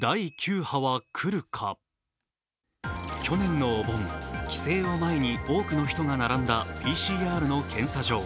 去年のお盆、帰省を前に多くの人が並んだＰＣＲの検査場。